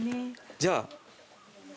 じゃあ。